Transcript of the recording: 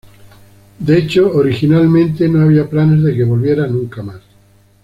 De hecho, originalmente no había planes de que volviera nunca más.